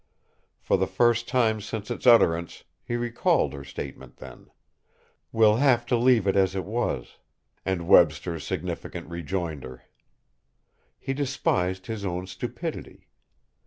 For the first time since its utterance, he recalled her statement then, "We'll have to leave it as it was," and Webster's significant rejoinder. He despised his own stupidity.